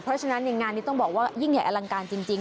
เพราะฉะนั้นงานนี้ต้องบอกว่ายิ่งใหญ่อลังการจริง